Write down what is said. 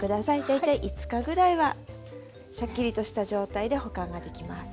大体５日ぐらいはシャッキリとした状態で保管ができます。